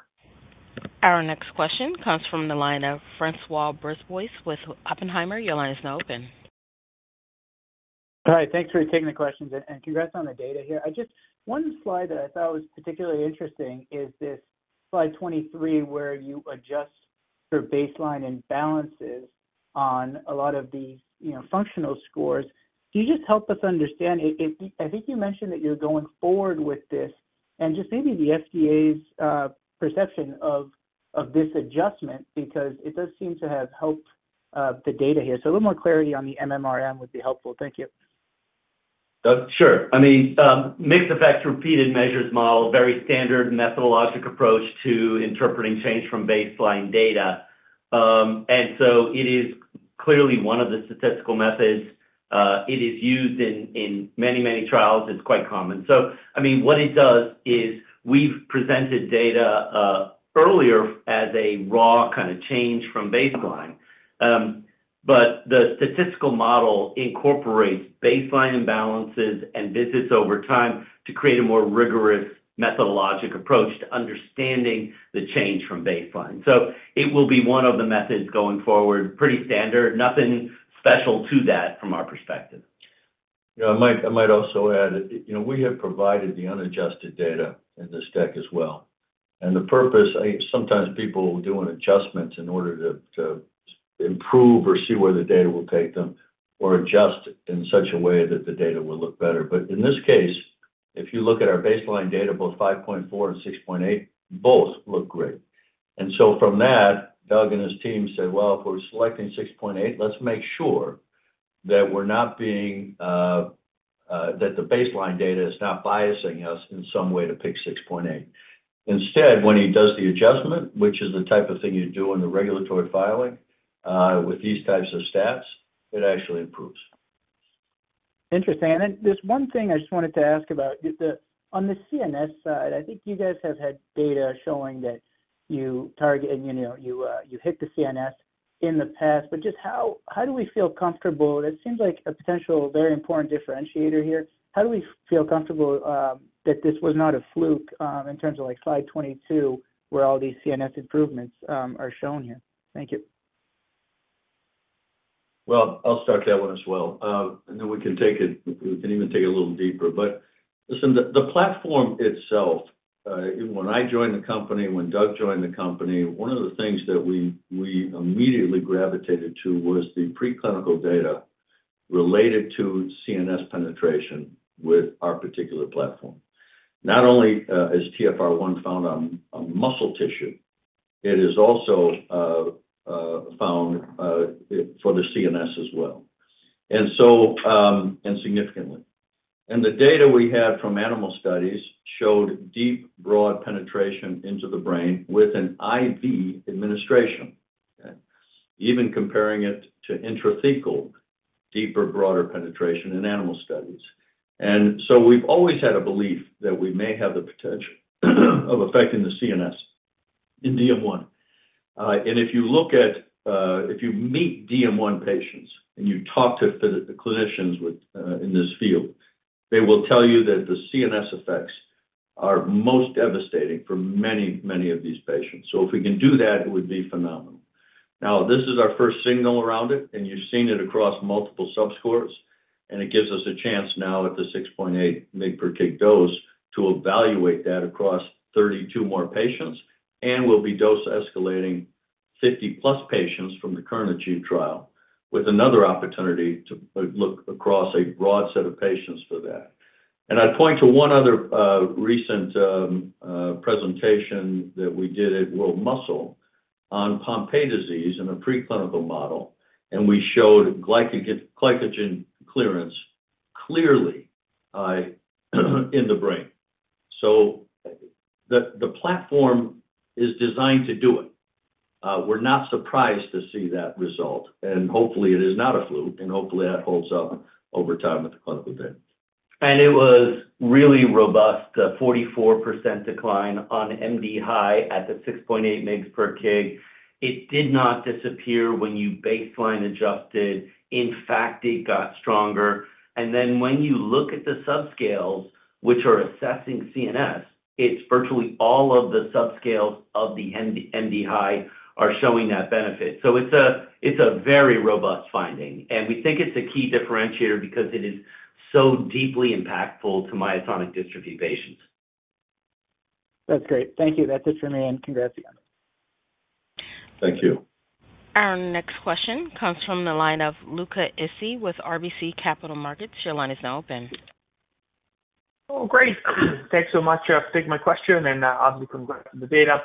Our next question comes from the line of François Brisebois with Oppenheimer. Your line is now open. Hi. Thanks for taking the questions, and congrats on the data here. One slide that I thought was particularly interesting is this slide 23, where you adjust your baseline and balances on a lot of these functional scores. Can you just help us understand? I think you mentioned that you're going forward with this, and just maybe the FDA's perception of this adjustment, because it does seem to have helped the data here. So a little more clarity on the MMRM would be helpful. Thank you. Doug? Sure. I mean, mixed effects repeated measures model, very standard methodological approach to interpreting change from baseline data. And so it is clearly one of the statistical methods. It is used in many, many trials. It's quite common. So I mean, what it does is we've presented data earlier as a raw kind of change from baseline, but the statistical model incorporates baseline imbalances and visits over time to create a more rigorous methodological approach to understanding the change from baseline. So it will be one of the methods going forward, pretty standard. Nothing special to that from our perspective. Yeah. I might also add we have provided the unadjusted data in this deck as well. And the purpose sometimes people will do an adjustment in order to improve or see where the data will take them or adjust in such a way that the data will look better. But in this case, if you look at our baseline data, both 5.4 and 6.8, both look great. And so from that, Doug and his team said, "Well, if we're selecting 6.8, let's make sure that we're not being that the baseline data is not biasing us in some way to pick 6.8." Instead, when he does the adjustment, which is the type of thing you do in the regulatory filing with these types of stats, it actually improves. Interesting. And then there's one thing I just wanted to ask about. On the CNS side, I think you guys have had data showing that you target and you hit the CNS in the past, but just how do we feel comfortable? That seems like a potential very important differentiator here. How do we feel comfortable that this was not a fluke in terms of slide 22, where all these CNS improvements are shown here? Thank you. Well, I'll start that one as well, and then we can take it, we can even take it a little deeper. But listen, the platform itself, when I joined the company, when Doug joined the company, one of the things that we immediately gravitated to was the preclinical data related to CNS penetration with our particular platform. Not only is TfR1 found on muscle tissue, it is also found for the CNS as well, and significantly. And the data we had from animal studies showed deep, broad penetration into the brain with an IV administration, even comparing it to intrathecal deeper, broader penetration in animal studies. And so we've always had a belief that we may have the potential of affecting the CNS in DM1. And if you look at if you meet DM1 patients and you talk to the clinicians in this field, they will tell you that the CNS effects are most devastating for many, many of these patients. So if we can do that, it would be phenomenal. Now, this is our first signal around it, and you've seen it across multiple subscores, and it gives us a chance now at the 6.8 mg/kg dose to evaluate that across 32 more patients, and we'll be dose-escalating 50+ patients from the current ACHIEVE trial with another opportunity to look across a broad set of patients for that. And I'd point to one other recent presentation that we did at World Muscle on Pompe disease in a preclinical model, and we showed glycogen clearance clearly in the brain. So the platform is designed to do it. We're not surprised to see that result, and hopefully, it is not a fluke, and hopefully, that holds up over time with the clinical data. And it was really robust, the 44% decline on MDHI at the 6.8 mg/kg. It did not disappear when you baseline adjusted. In fact, it got stronger. And then when you look at the subscales, which are assessing CNS, it's virtually all of the subscales of the MDHI are showing that benefit. So it's a very robust finding, and we think it's a key differentiator because it is so deeply impactful to myotonic dystrophy patients. That's great. Thank you. That's it from me, and congrats again. Thank you. Our next question comes from the line of Luca Issi with RBC Capital Markets. Your line is now open. Oh, great. Thanks so much for taking my question, and I'll be congrats on the data.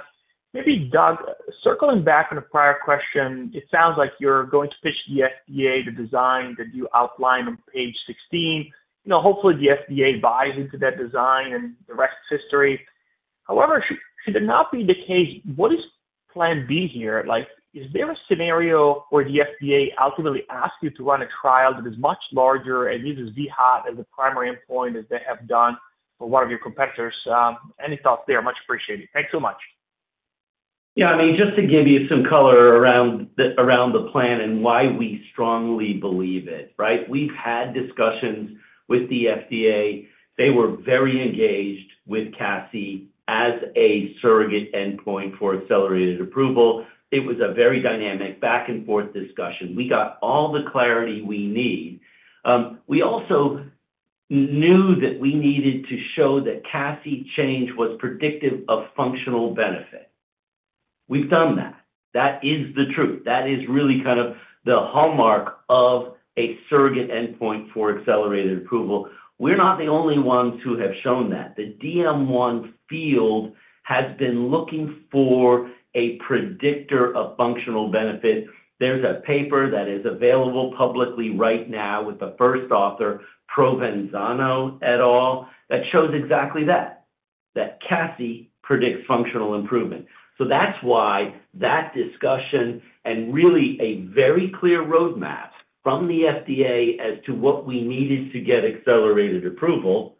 Maybe, Doug, circling back on a prior question, it sounds like you're going to pitch the FDA the design that you outlined on page 16. Hopefully, the FDA buys into that design and the rest is history. However, should it not be the case, what is plan B here? Is there a scenario where the FDA ultimately asks you to run a trial that is much larger and uses vHOT as the primary endpoint as they have done for one of your competitors? Any thoughts there? Much appreciated. Thanks so much. Yeah. I mean, just to give you some color around the plan and why we strongly believe it, right? We've had discussions with the FDA. They were very engaged with CASI as a surrogate endpoint for accelerated approval. It was a very dynamic back-and-forth discussion. We got all the clarity we need. We also knew that we needed to show that CASI change was predictive of functional benefit. We've done that. That is the truth. That is really kind of the hallmark of a surrogate endpoint for accelerated approval. We're not the only ones who have shown that. The DM1 field has been looking for a predictor of functional benefit. There's a paper that is available publicly right now with the first author, Provenzano et al., that shows exactly that, that CASI predicts functional improvement. So that's why that discussion and really a very clear roadmap from the FDA as to what we needed to get accelerated approval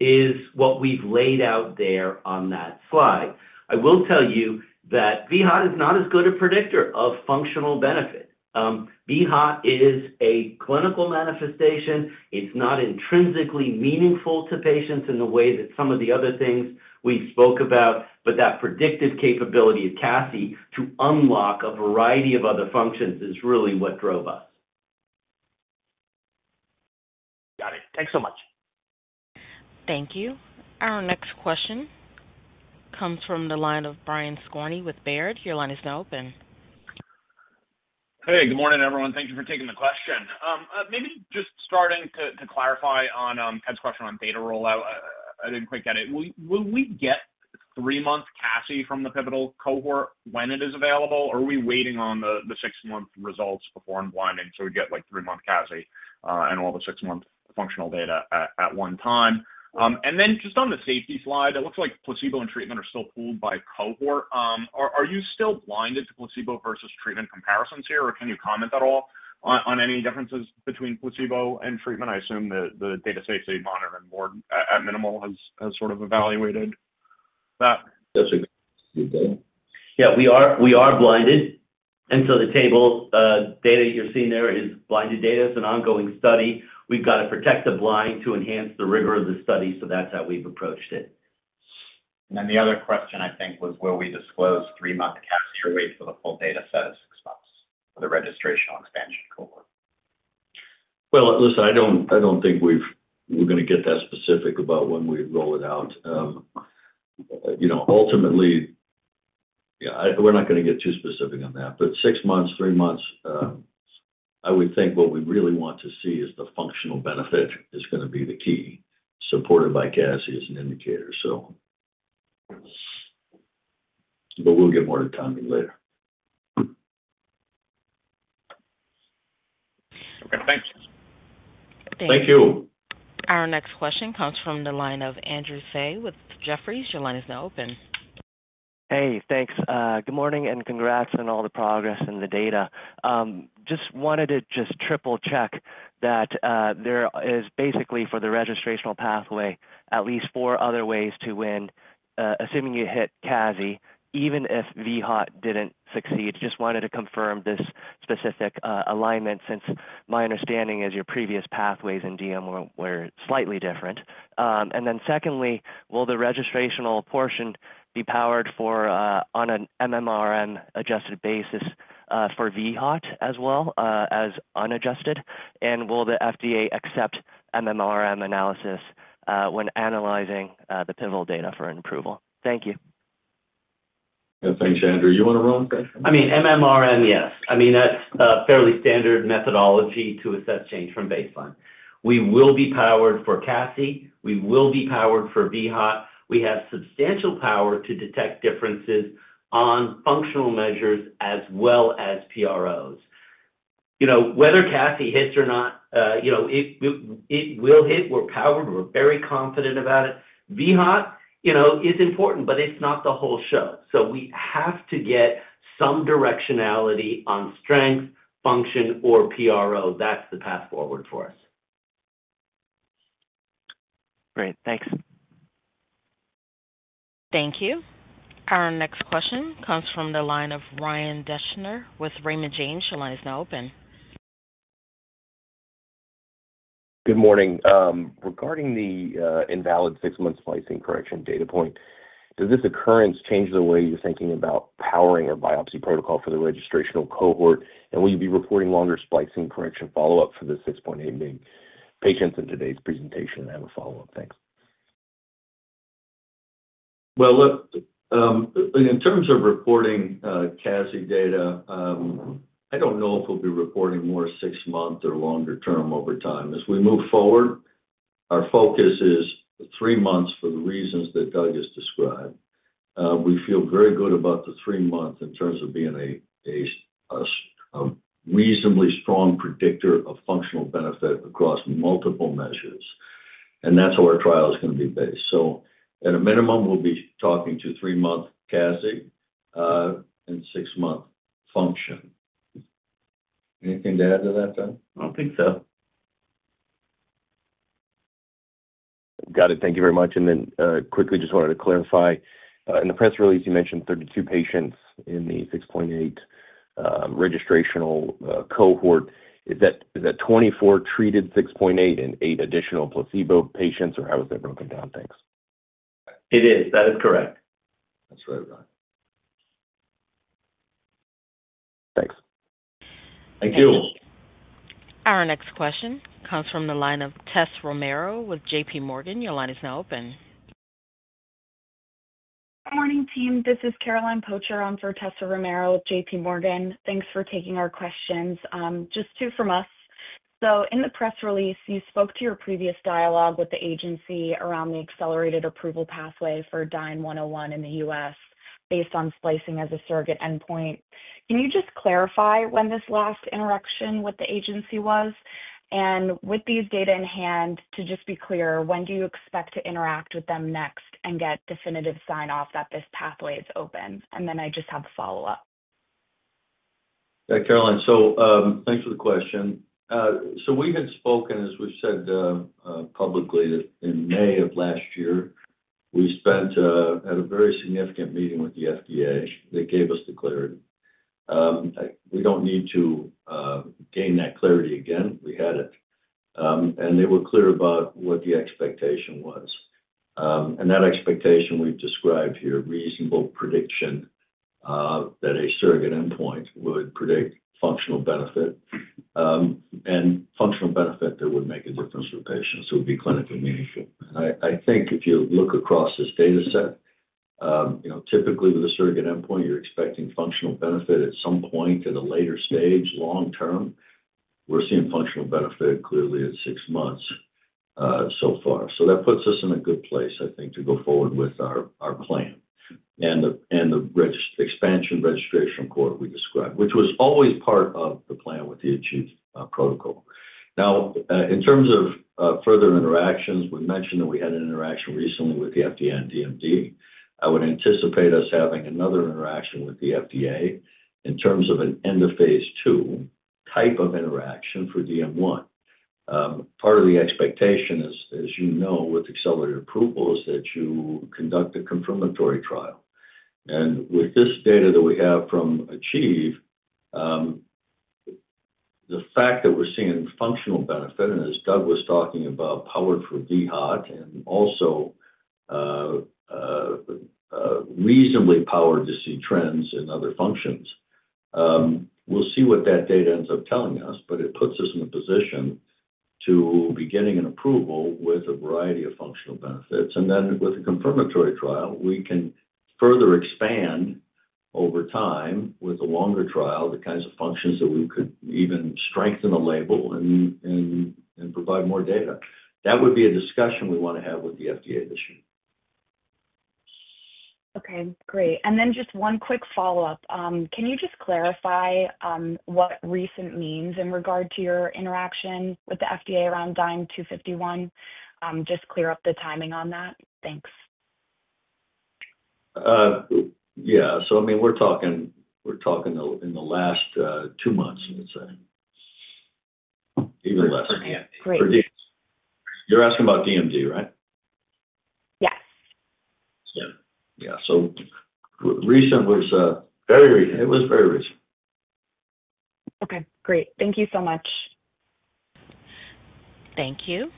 is what we've laid out there on that slide. I will tell you that vHOT is not as good a predictor of functional benefit. vHOT is a clinical manifestation. It's not intrinsically meaningful to patients in the way that some of the other things we've spoke about, but that predictive capability of CASI to unlock a variety of other functions is really what drove us. Got it. Thanks so much. Thank you. Our next question comes from the line of Brian Skorney with Baird. Your line is now open. Hey. Good morning, everyone. Thank you for taking the question. Maybe just starting to clarify on Ted's question on data readout, I didn't quite get it. Will we get three-month CASI from the pivotal cohort when it is available, or are we waiting on the six-month results before unblinding so we get three-month CASI and all the six-month functional data at one time? And then just on the safety slide, it looks like placebo and treatment are still pooled by cohort. Are you still blinded to placebo versus treatment comparisons here, or can you comment at all on any differences between placebo and treatment? I assume the data safety monitoring board at Nationwide has sort of evaluated. That's a good thing. Yeah. We are blinded, and so the table data you're seeing there is blinded data. It's an ongoing study. We've got to protect the blind to enhance the rigor of the study, so that's how we've approached it. And then the other question, I think, was, will we disclose three-month CASI or wait for the full data set of six months for the registrational expansion cohort? Well, listen, I don't think we're going to get that specific about when we roll it out. Ultimately, yeah, we're not going to get too specific on that. But six months, three months, I would think what we really want to see is the functional benefit is going to be the key, supported by CASI as an indicator, so. But we'll get more to timing later. Okay. Thanks. Thank you. Our next question comes from the line of Andrew Tsai with Jefferies. Your line is now open. Hey. Thanks. Good morning and congrats on all the progress and the data. Just wanted to just triple-check that there is basically, for the registrational pathway, at least four other ways to win, assuming you hit CASI, even if vHOT didn't succeed. Just wanted to confirm this specific alignment since my understanding is your previous pathways in DM were slightly different. And then secondly, will the registrational portion be powered on an MMRM-adjusted basis for vHOT as well as unadjusted, and will the FDA accept MMRM analysis when analyzing the pivotal data for an approval? Thank you. Yeah. Thanks, Andrew. You want to run? I mean, MMRM, yes. I mean, that's a fairly standard methodology to assess change from baseline. We will be powered for CASI. We will be powered for vHOT. We have substantial power to detect differences on functional measures as well as PROs. Whether CASI hits or not, it will hit. We're powered. We're very confident about it. vHOT is important, but it's not the whole show. So we have to get some directionality on strength, function, or PRO. That's the path forward for us. Great. Thanks. Thank you. Our next question comes from the line of Ryan Deschner with Raymond James. Your line is now open. Good morning. Regarding the interim six-month splicing correction data point, does this occurrence change the way you're thinking about powering a biopsy protocol for the registrational cohort, and will you be reporting longer splicing correction follow-up for the 6.8 mg patients in today's presentation and have a follow-up? Thanks. Look, in terms of reporting CASI data, I don't know if we'll be reporting more six-month or longer-term over time. As we move forward, our focus is three months for the reasons that Doug has described. We feel very good about the three months in terms of being a reasonably strong predictor of functional benefit across multiple measures, and that's how our trial is going to be based. So at a minimum, we'll be talking to three-month CASI and six-month function. Anything to add to that, Doug? I don't think so. Got it. Thank you very much. And then quickly, just wanted to clarify. In the press release, you mentioned 32 patients in the 6.8 registrational cohort. Is that 24 treated 6.8 and 8 additional placebo patients, or how is that broken down? Thanks. It is. That is correct. That's what I thought. Thanks. Thank you. Our next question comes from the line of Tessa Romero with JPMorgan. Your line is now open. Good morning, team. This is Caroline Palsha on for Tessa Romero with JPMorgan. Thanks for taking our questions. Just two from us. So in the press release, you spoke to your previous dialogue with the agency around the accelerated approval pathway for Dyne-101 in the U.S. based on splicing as a surrogate endpoint. Can you just clarify when this last interaction with the agency was? And with these data in hand, to just be clear, when do you expect to interact with them next and get definitive sign-off that this pathway is open? And then I just have a follow-up. Yeah. Caroline, so thanks for the question. So we had spoken, as we've said publicly, in May of last year. We had a very significant meeting with the FDA. They gave us the clarity. We don't need to gain that clarity again. We had it. And they were clear about what the expectation was. And that expectation we've described here, reasonable prediction that a surrogate endpoint would predict functional benefit and functional benefit that would make a difference for patients who would be clinically meaningful. And I think if you look across this data set, typically with a surrogate endpoint, you're expecting functional benefit at some point at a later stage, long-term. We're seeing functional benefit clearly at six months so far. So that puts us in a good place, I think, to go forward with our plan and the expansion registration cohort we described, which was always part of the plan with the AG protocol. Now, in terms of further interactions, we mentioned that we had an interaction recently with the FDA and DMD. I would anticipate us having another interaction with the FDA in terms of an end-of-phase two type of interaction for DM1. Part of the expectation, as you know, with accelerated approval, is that you conduct a confirmatory trial. And with this data that we have from ACHIEVE, the fact that we're seeing functional benefit, and as Doug was talking about, powered for vHOT and also reasonably powered to see trends in other functions, we'll see what that data ends up telling us, but it puts us in a position to be getting an approval with a variety of functional benefits. And then with a confirmatory trial, we can further expand over time with a longer trial, the kinds of functions that we could even strengthen a label and provide more data. That would be a discussion we want to have with the FDA this year. Okay. Great. And then just one quick follow-up. Can you just clarify what recent means in regard to your interaction with the FDA around Dyne-251? Just clear up the timing on that. Thanks. Yeah. So I mean, we're talking in the last two months, let's say. Even less. For DMD. You're asking about DMD, right? Yes. Yeah. So recent was very recent. It was very recent. Okay. Great. Thank you so much. Thank you.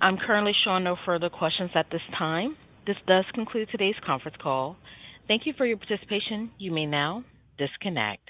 I'm currently showing no further questions at this time. This does conclude today's conference call. Thank you for your participation. You may now disconnect.